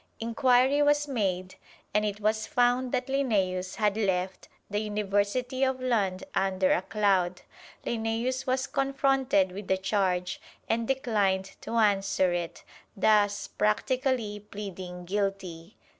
Inquiry was made and it was found that Linnæus had left the University of Lund under a cloud. Linnæus was confronted with the charge, and declined to answer it, thus practically pleading guilty.